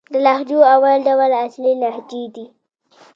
د لهجو اول ډول اصلي لهجې دئ.